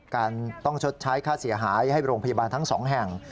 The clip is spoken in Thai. การต้องชดใช้ค่าเสียหายให้โรงพยาบาลทั้งสองแห่ง